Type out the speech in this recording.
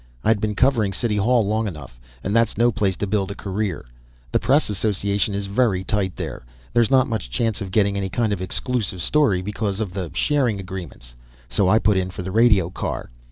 I had been covering City Hall long enough, and that's no place to build a career the Press Association is very tight there, there's not much chance of getting any kind of exclusive story because of the sharing agreements. So I put in for the radio car.